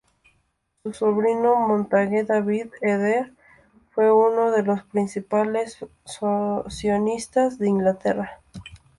Su sobrino Montague David Eder fue uno de los principales sionistas de Inglaterra.